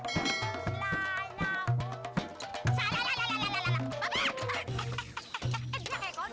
iya iya bener telmi orang pinter